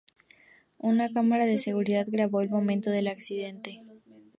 Una cámara de seguridad grabó el momento del accidente.